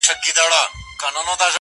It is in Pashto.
دلته مستي ورانوي دلته خاموشي ورانوي~